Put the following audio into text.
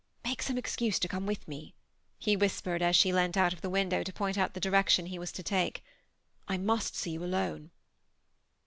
Make some excuse to come with me," he whispered as she leaned out of the window to point out the direction he was to take. " I must see you alone."